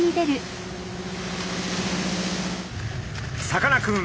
さかなクン